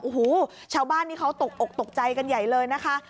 โอ้โหชาวบ้านนี้เขาตกอกตกใจกันใหญ่เลยนะคะ